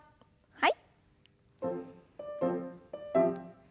はい。